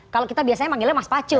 kalau kita biasanya manggilnya mas pacu